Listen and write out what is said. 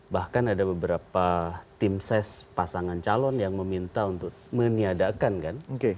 bahkan ada beberapa tim ses pasangan calon yang meminta untuk meniadakan kan